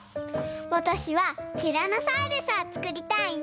わたしはティラノサウルスをつくりたいんだ！